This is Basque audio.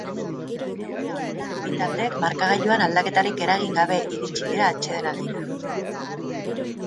Egoera honetan, bi taldeek markagailuan aldaketarik eragin gabe iritsi dira atsedenaldira.